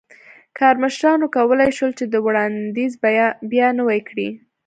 کارمشرانو کولای شول چې دا وړاندیز بیا نوی کړي.